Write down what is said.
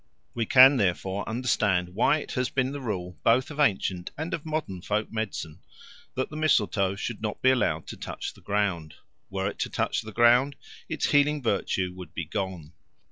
We can therefore understand why it has been a rule both of ancient and of modern folk medicine that the mistletoe should not be allowed to touch the ground; were it to touch the ground, its healing virtue would be gone.